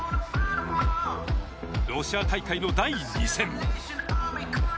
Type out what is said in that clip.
ロシア大会の第２戦。